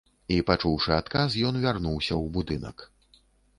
І пачуўшы адказ, ён вярнуўся ў будынак.